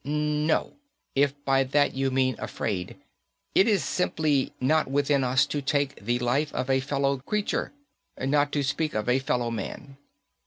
"No, if by that you mean afraid. It is simply not within us to take the life of a fellow creature not to speak of a fellow man."